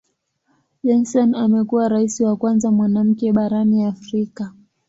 Johnson amekuwa Rais wa kwanza mwanamke barani Afrika.